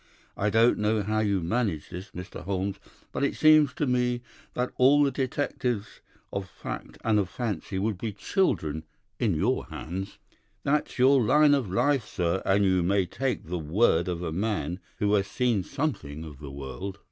I don't know how you manage this, Mr. Holmes, but it seems to me that all the detectives of fact and of fancy would be children in your hands. That's your line of life, sir, and you may take the word of a man who has seen something of the world.